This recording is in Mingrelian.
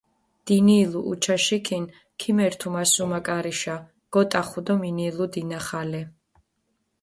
დინილუ უჩაშიქინ, ქიმერთუ მასუმა კარიშა, გოტახუ დო მინილუ დინახალე.